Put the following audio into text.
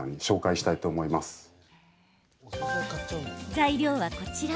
材料は、こちら。